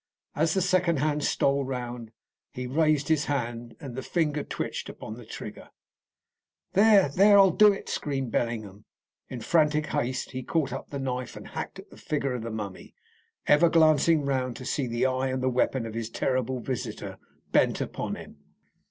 As the second hand stole round, he raised his hand, and the finger twitched upon the trigger. "There! there! I'll do it!" screamed Bellingham. In frantic haste he caught up the knife and hacked at the figure of the mummy, ever glancing round to see the eye and the weapon of his terrible visitor bent upon him.